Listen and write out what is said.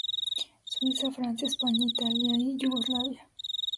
Suiza, Francia, España, Italia y Yugoslavia.